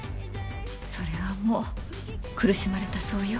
それはもう苦しまれたそうよ。